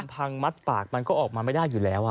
พังมัดปากมันก็ออกมาไม่ได้อยู่แล้ว